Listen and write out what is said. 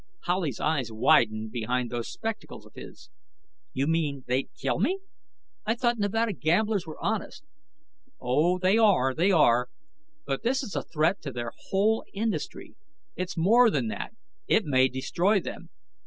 Howley's eyes widened behind those spectacles of his. "You mean they'd kill me? I thought Nevada gamblers were honest." "Oh, they are, they are. But this is a threat to their whole industry. It's more than that, it may destroy them.